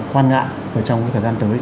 quan ngã trong cái thời gian tới